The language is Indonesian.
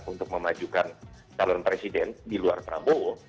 untuk memajukan calon presiden di luar prabowo